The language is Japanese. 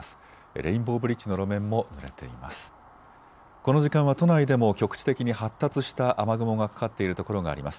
レインボーブリッジの路面もぬれています。